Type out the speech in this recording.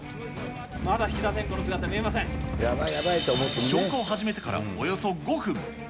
まだ引田天功の姿、見えませ消火を始めてからおよそ５分。